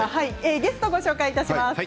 ゲストをご紹介します。